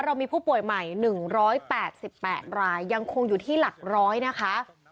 เรามีผู้ป่วยใหม่หนึ่งร้อยแปดสิบแปดรายยังคงอยู่ที่หลักร้อยนะคะ